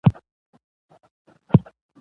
د کانونو استخراج په قانوني بڼه ترسره کیږي.